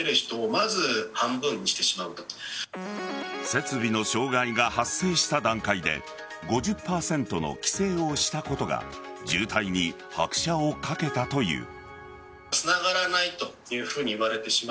設備の障害が発生した段階で５０％の規制をしたことが渋滞に拍車をかけたという。